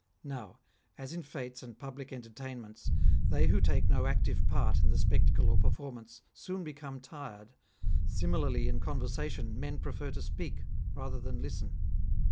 Now, as in fetes and public entertainments, they who take no active part in the spectacle or performance soon become tired, similarly in conversation men prefer to speak rather than listen.